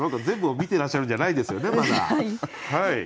全部を見てらっしゃるんじゃないですよねまだ。